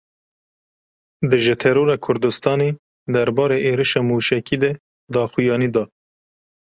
Dije Terora Kurdistanê derbarê êrişa mûşekî de daxuyanî da.